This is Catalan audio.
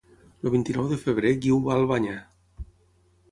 El vint-i-nou de febrer en Guiu va a Albanyà.